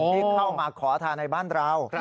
ที่เข้ามาขอทานในบ้านเรา